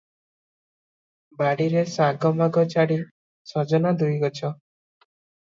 ବାଡ଼ିରେ ଶାଗ ମାଗ ଛାଡ଼ି ସଜନା ଦୁଇ ଗଛ ।